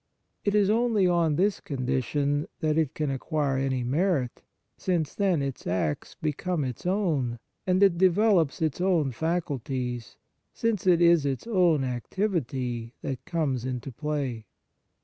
It is only on this condition that it can acquire any merit, since then its acts become its own, and it develops its own faculties, since it is its own activity that comes into play.